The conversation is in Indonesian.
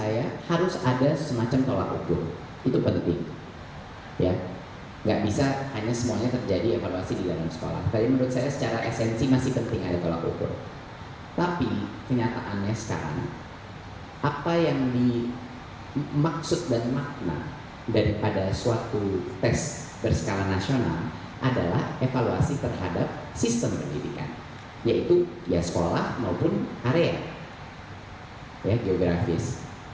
yang terjadi adalah evaluasi terhadap sistem pendidikan yaitu sekolah maupun area geografis